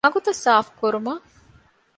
މަގުތައް ސާފުކުރުމަށް